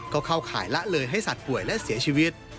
ก็เข้าข่ายละเลยให้สัตว์ป่วยและเสียชีวิต